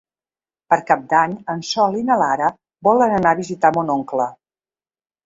Per Cap d'Any en Sol i na Lara volen anar a visitar mon oncle.